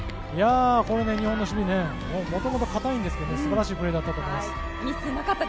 日本の守備もともと堅いんですけど素晴らしいプレーだったと思います。